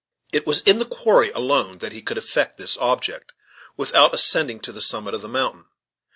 It was in the quarry alone that he could effect this object, without ascending to the summit of the mountain.